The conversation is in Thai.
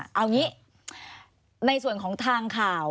เอางี้ในส่วนของทางข่าว